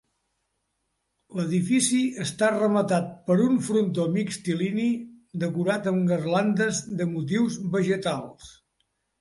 L'edifici està rematat per un frontó mixtilini decorat amb garlandes de motius vegetals.